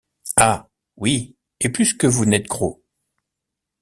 Ah! oui, et plus que vous n’êtes gros !